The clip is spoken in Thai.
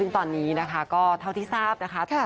ซึ่งตอนนี้นะคะก็เท่าที่ทราบนะคะ